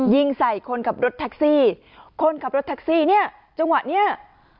ยิงใส่คนขับรถแท็กซี่คนขับรถแท็กซี่เนี่ยจังหวะเนี้ย